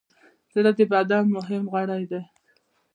زړه د بدن مهم غړی دی.